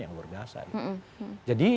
yang bergasa jadi